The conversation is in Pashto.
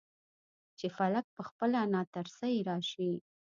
چې فلک پخپله ناترسۍ راشي.